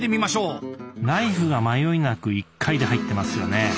ナイフが迷いなく１回で入ってますよね。